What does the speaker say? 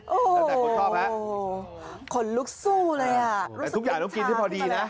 ขนลุกซู่เลยอ่ะรู้สึกลิ้นชาแต่ทุกอย่างต้องกินที่พอดีนะ